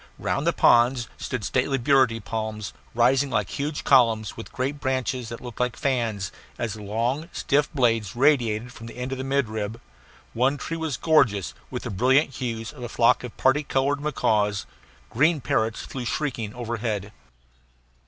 Round the ponds stood stately burity palms, rising like huge columns, with great branches that looked like fans, as the long, stiff blades radiated from the end of the midrib. One tree was gorgeous with the brilliant hues of a flock of party colored macaws. Green parrots flew shrieking overhead.